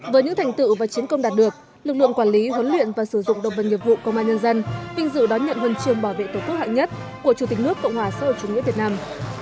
với những thành tựu và chiến công đạt được lực lượng quản lý huấn luyện và sử dụng động vật nghiệp vụ công an nhân dân vinh dự đón nhận huân chương bảo vệ tổ quốc hạng nhất của chủ tịch nước cộng hòa xã hội chủ nghĩa việt nam